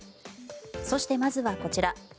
そして、まずはこちら。